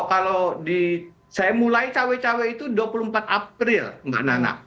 kalau saya mulai cawe cawe itu dua puluh empat april mbak nana